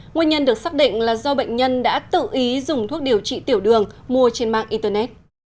nguyên nhân được xác định là do bệnh nhân đã tự ý dùng thuốc điều trị tiểu đường mua trên mạng internet